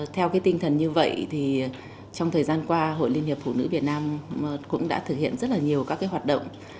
theo tinh thần như vậy trong thời gian qua hội liên hiệp phụ nữ việt nam cũng đã thực hiện rất nhiều hoạt động